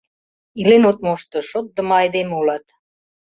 Илен от мошто, шотдымо айдеме улат!